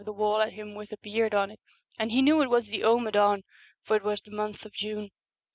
the wall at him with a beard on it, and he knew it was the Amaddn, for it was the month of June.